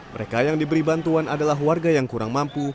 mereka yang diberi bantuan adalah warga yang kurang mampu